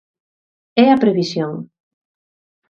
E a previsión.